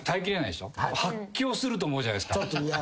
発狂すると思うじゃないですか。